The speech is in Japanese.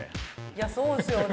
いやそうですよね！